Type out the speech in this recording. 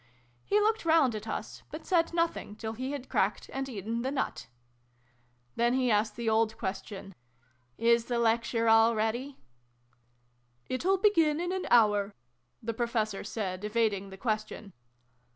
He looked round at us, but said nothing till he had cracked and eaten the nut. Then he asked the old ques tion. " Is the Lecture all ready?" " It'll begin in an hour," the Professor said, evading the question.